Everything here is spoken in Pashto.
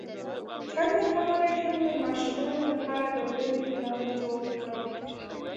څنګه کولی شم د ماشومانو لپاره د ورځې پلان جوړ کړم